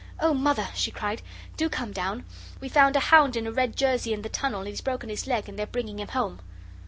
"Oh, Mother," she cried, "do come down. We found a hound in a red jersey in the tunnel, and he's broken his leg and they're bringing him home."